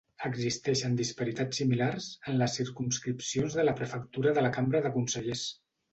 Existeixen disparitats similars en les circumscripcions de la prefectura de la Cambra de Consellers.